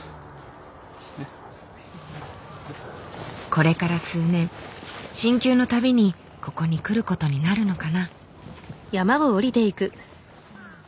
これから数年進級のたびにここに来ることになるのかな。